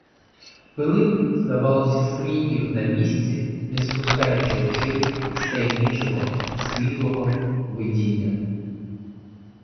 Пилип, здавалося, скам'янів на місці, не спускаючи очей з таємничого світлого видіння.